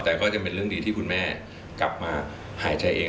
แต่ก็ยังเป็นเรื่องดีที่คุณแม่กลับมาหายใจเอง